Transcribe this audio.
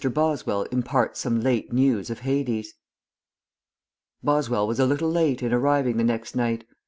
BOSWELL IMPARTS SOME LATE NEWS OF HADES Boswell was a little late in arriving the next night.